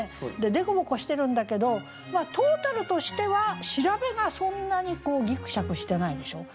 凸凹してるんだけどトータルとしては調べがそんなにこうギクシャクしてないでしょう。